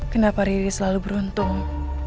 kenapa riri selalu beruntung